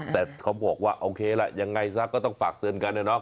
แต่เขาบอกว่าโอเคล่ะยังไงซะก็ต้องฝากเตือนกันนะเนาะ